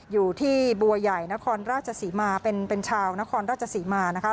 อยู่ที่บัวใหญ่นครราชศรีมาเป็นชาวนครราชศรีมานะคะ